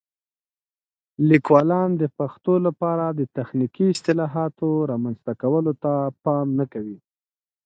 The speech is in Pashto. لیکوالان د پښتو لپاره د تخنیکي اصطلاحاتو رامنځته کولو ته پام نه کوي.